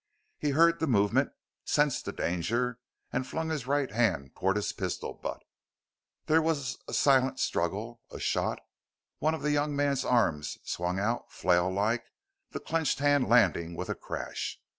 He heard the movement, sensed the danger, and flung his right hand toward his pistol butt. There was a silent struggle; a shot, one of the young man's arms swung out flail like the clenched hand landing with a crash.